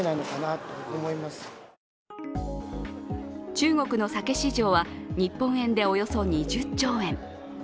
中国の酒市場は日本円でおよそ２０兆円。